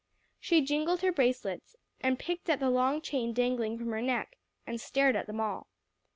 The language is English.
She jingled her bracelets, and picked at the long chain dangling from her neck, and stared at them all.